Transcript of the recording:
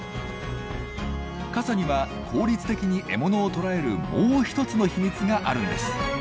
傘には効率的に獲物を捕らえるもう一つの秘密があるんです。